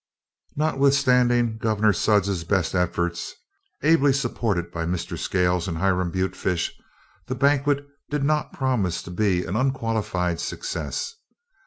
Notwithstanding Gov'nor Sudds's best efforts, ably supported by Mr. Scales and Hiram Butefish, the banquet did not promise to be an unqualified success.